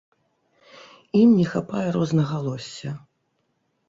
Ім не хапае рознагалосся!